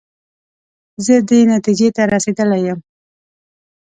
زه دې نتیجې ته رسېدلی یم.